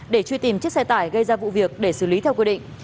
để truy tìm chiếc xe tải gây ra vụ việc để xử lý theo quy định